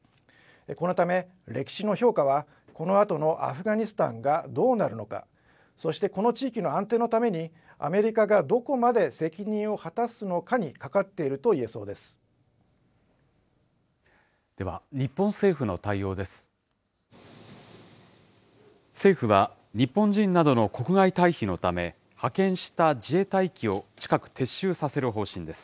このため、歴史の評価は、このあとのアフガニスタンがどうなるのか、そしてこの地域の安定のために、アメリカがどこまで責任を果たすのかにかかっているといえそうででは日本政府の対応です。